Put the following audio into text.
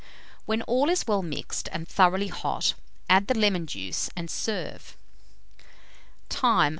When all is well mixed and thoroughly hot, add the lemon juice, and serve. Time.